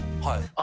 はい。